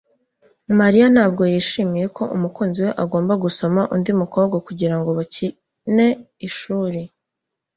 Mariya ntabwo yishimiye ko umukunzi we agomba gusoma undi mukobwa kugirango bakine ishuri